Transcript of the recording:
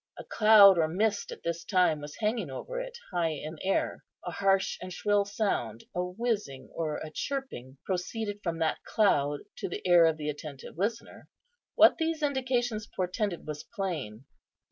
A cloud or mist at this time was hanging over it, high in air. A harsh and shrill sound, a whizzing or a chirping, proceeded from that cloud to the ear of the attentive listener. What these indications portended was plain.